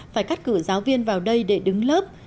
phải cắt cử giáo viên vào đây để đứng lớp